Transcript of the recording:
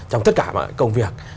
trong tất cả mà công việc